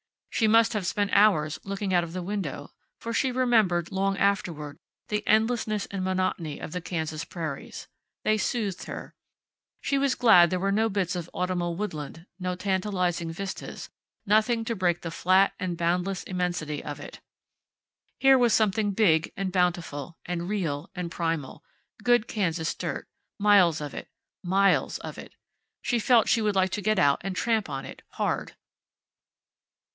She must have spent hours looking out of the window, for she remembered, long afterward, the endlessness and the monotony of the Kansas prairies. They soothed her. She was glad there were no bits of autumnal woodland, no tantalizing vistas, nothing to break the flat and boundless immensity of it. Here was something big, and bountiful, and real, and primal. Good Kansas dirt. Miles of it. Miles of it. She felt she would like to get out and tramp on it, hard.